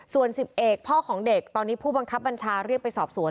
ส่วน๑๐เอกพ่อของเด็กตอนนี้ผู้บังคับบัญชาเรียกไปสอบสวน